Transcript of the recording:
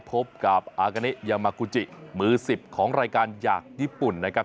พบกับอากาเนยามากูจิมือ๑๐ของรายการจากญี่ปุ่นนะครับ